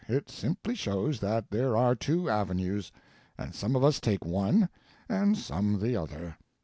It simply shows that there are two avenues, and some of us take one and some the other.